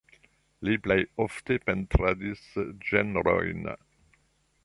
Li plej ofte pentradis ĝenrojn.